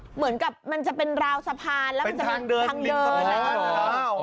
เหมือนกับมันจะเป็นราวสะพานแล้วมันจะเป็นทางเดินนะครูโบ๊ทเป็นทางเดิน